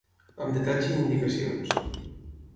Amb detalls i indicacions.